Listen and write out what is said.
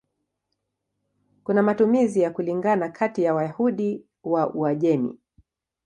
Kuna matumizi ya kulingana kati ya Wayahudi wa Uajemi.